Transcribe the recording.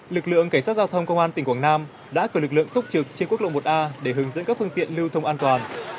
lực lượng cảnh sát giao thông công an tỉnh quảng nam đã cử lực lượng tốc trực trên quốc lộ một a để hướng dẫn các phương tiện lưu thông an toàn